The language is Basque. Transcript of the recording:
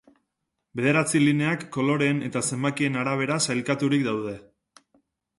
Bederatzi lineak koloreen eta zenbakien arabera sailkaturik daude.